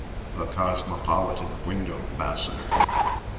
THE "COSMOPOLITAN WINDOW FASTENER."